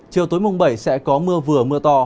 chiều tối mùng bảy sẽ có mưa vừa mưa to